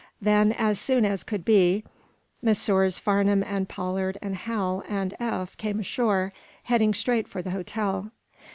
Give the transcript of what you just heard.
Then, as soon as could be, Messrs. Farnum and Pollard and Hal and Eph came ashore, heading straight for the hotel.